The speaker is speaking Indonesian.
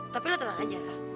tapi lo tenang aja